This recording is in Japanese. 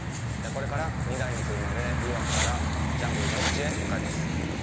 これから２台の車でウェワクからジャングルの奥地へ向かいます